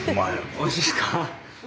おいしいですか。